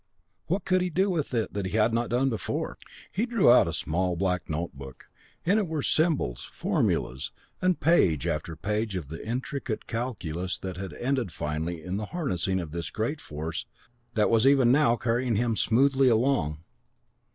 What could he do with it that he had not done? He drew out a small black notebook. In it were symbols, formulas, and page after page of the intricate calculus that had ended finally in the harnessing of this great force that was even now carrying him smoothly along.